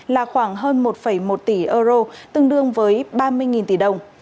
là khoảng hơn một một tỷ euro tương đương với ba mươi tỷ đồng